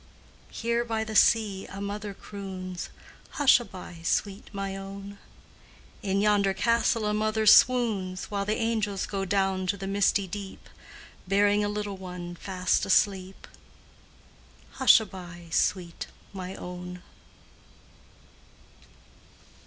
Here by the sea a mother croons "Hushaby, sweet my own!" In yonder castle a mother swoons While the angels go down to the misty deep, Bearing a little one fast asleep Hushaby, sweet my own!